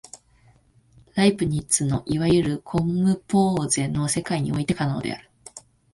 ライプニッツのいわゆるコムポーゼの世界において可能である。